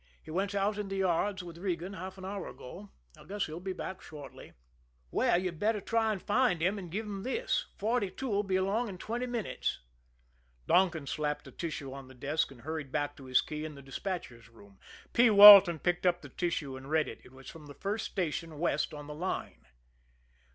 "He went out in the yards with Regan half an hour ago. I guess he'll be back shortly." "Well, you'd better try and find him, and give him this. Forty two'll be along in twenty minutes." Donkin slapped a tissue on the desk, and hurried back to his key in the despatchers' room. P. Walton picked up the tissue and read it. It was from the first station west on the line.